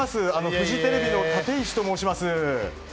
フジテレビの立石と申します。